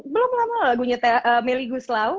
belum lama lho lagunya meli guslau